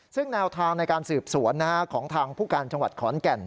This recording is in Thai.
ซึ่งแนวทางในการสืบสวนของทางผู้การจังหวัดขอนแก่น